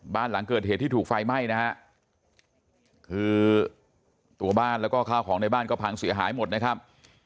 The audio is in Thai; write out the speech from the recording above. บ้านหลังเกิดเหตุที่ถูกไฟไหม้นะฮะคือตัวบ้านแล้วก็ข้าวของในบ้านก็พังเสียหายหมดนะครับ